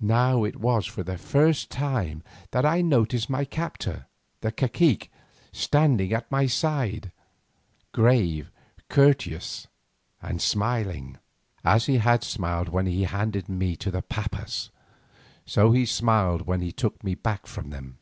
Now it was for the first time that I noticed my captor, the cacique, standing at my side, grave, courteous, and smiling. As he had smiled when he handed me to the pabas, so he smiled when he took me back from them.